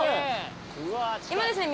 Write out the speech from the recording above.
今ですね